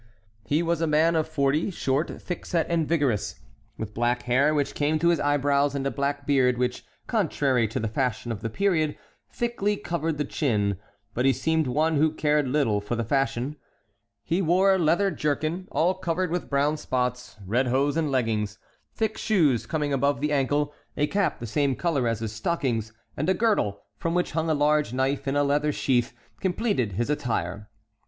He was a man of forty, short, thick set, and vigorous, with black hair which came to his eyebrows, and a black beard, which, contrary to the fashion of the period, thickly covered the chin; but he seemed one who cared little for the fashion. He wore a leather jerkin, all covered with brown spots; red hose and leggings, thick shoes coming above the ankle, a cap the same color as his stockings, and a girdle, from which hung a large knife in a leather sheaf, completed his attire.